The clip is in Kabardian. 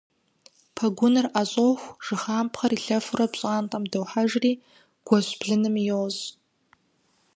Пэгуныр ӏэщӏоху, жыхапхъэр илъэфурэ пщӏантӏэм дохьэжри гуэщ блыным йощӏ.